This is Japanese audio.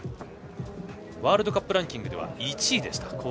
ワールドカップランキングでは１位でした。